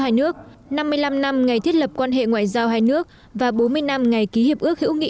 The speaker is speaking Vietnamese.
hai nước năm mươi năm năm ngày thiết lập quan hệ ngoại giao hai nước và bốn mươi năm ngày ký hiệp ước hữu nghị